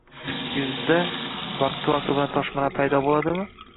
Yuzda vaqti-vaqti bilan toshmalar paydo bo‘ladimi?